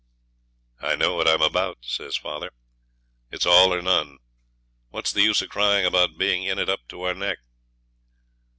'I know what I'm about,' says father, 'it's all or none. What's the use of crying after being in it up to our neck?'